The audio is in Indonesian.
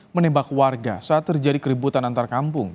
menembak warga saat terjadi keributan antar kampung